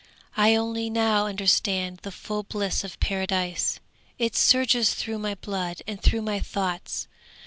I only now understand the full bliss of Paradise; it surges through my blood and through my thoughts.